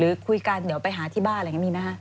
คุยกันเดี๋ยวไปหาที่บ้านอะไรอย่างนี้มีไหมคะ